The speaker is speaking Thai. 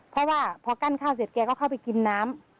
เพราะว่าพอกั้นข้าวเสร็จแกก็เข้าไปกินน้ำ